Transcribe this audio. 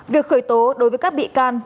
việc khởi tố đối với các bị can